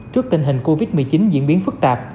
trước tình hình covid một mươi chín diễn biến phức tạp